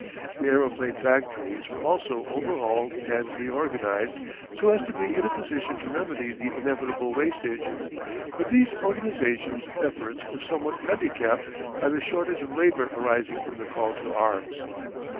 The aeroplane factories were also, overhauled and re organised so as to be in a position to remedy the inevitable wastage, but these organisation efforts were somewhat handicapped by the shortage of labour arising from the call to arms.